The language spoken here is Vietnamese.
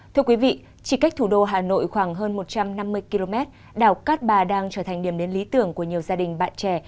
thưa quý vị chỉ cách thủ đô hà nội khoảng hơn một trăm năm mươi km đảo cát bà đang trở thành điểm đến lý tưởng của nhiều gia đình bạn trẻ